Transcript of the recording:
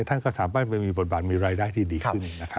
ท่านก็สามารถไปมีบทบาทมีรายได้ที่ดีขึ้น